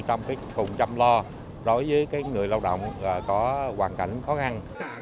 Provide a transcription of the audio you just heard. trong cùng chăm lo đối với người lao động có hoàn cảnh khó khăn